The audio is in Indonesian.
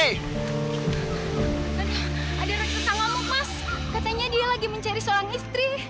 aduh ada raksasa lama mas katanya dia lagi mencari seorang istri